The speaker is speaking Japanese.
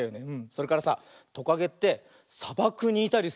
それからさトカゲってさばくにいたりするんだよね。